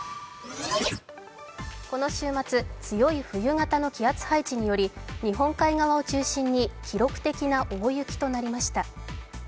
この週末、強い冬型の気圧配置により日本海側を中心に記録的な大雪となりました。